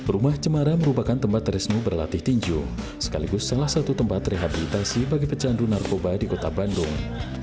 rumah cemara merupakan tempat risnu berlatih tinju sekaligus salah satu tempat rehabilitasi bagi pecandu narkoba di kota bandung